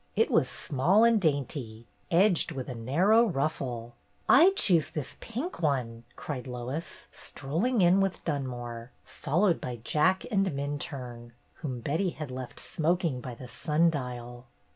It was small and dainty, edged with a narrow ruffle. "I choose this pink one," cried Lois, strol ling in with Dunmore, followed by Jack and Minturne, whom Betty had left smoking by the sundial.